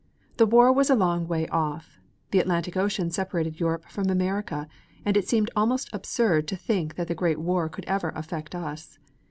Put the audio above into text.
The war was a long way off. The Atlantic Ocean separated Europe from America, and it seemed almost absurd to think that the Great War could ever affect us.